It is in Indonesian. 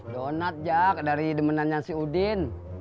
donat jak dari demenannya si udin